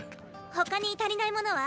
他に足りないものは？